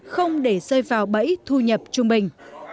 không để xây phào bẫy thu nhập trung bình